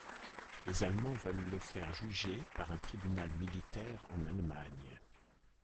Les allemands veulent le faire juger par un tribunal militaire en Allemagne.